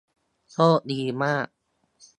โชคดีมาก